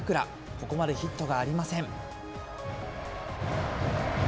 ここまでヒットがありません。